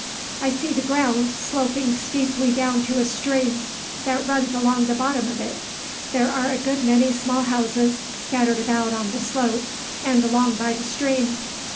"I see the ground, sloping steeply down to a stream that runs along the bottom of it. There are a good many small houses, scattered about on the slope and along by the stream.